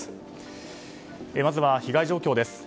まずは、被害状況です。